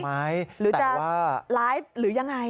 หรือจะไลฟ์หรือยังไง